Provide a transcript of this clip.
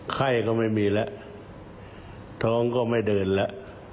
ไข้ก็ไม่มีแล้วท้องก็ไม่เดินแล้ว